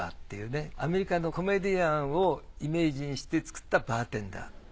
アメリカのコメディアンをイメージにして作ったバーテンダー。